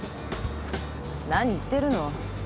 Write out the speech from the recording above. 何言ってるの。